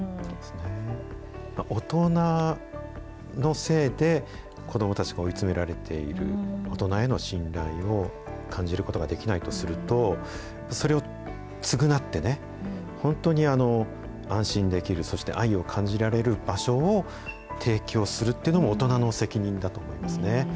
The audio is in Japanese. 大人のせいで子どもたちが追い詰められている、大人への信頼を感じることができないとすると、それを償ってね、本当に安心できる、そして愛を感じられる場所を提供するっていうのも大人の責任だと思いますね。